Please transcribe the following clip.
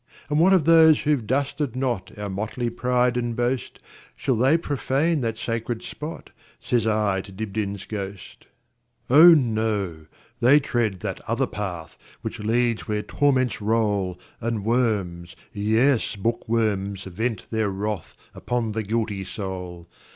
And what of those who 've dusted notOur motley pride and boast,—Shall they profane that sacred spot?"Says I to Dibdin's ghost."Oh, no! they tread that other path, Which leads where torments roll, And worms, yes, bookworms, vent their wrathUpon the guilty soul.